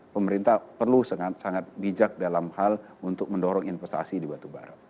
pemerintah perlu sangat bijak dalam hal untuk mendorong investasi di batubara